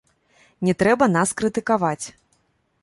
Не трэба нас крытыкаваць.